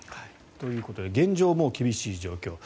ということで現状、もう厳しい状況。